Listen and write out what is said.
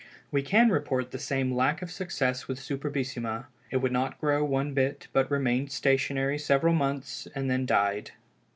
We can report the same lack of success with Superbissima. It would not grow one bit, but remained stationary several months, and then died.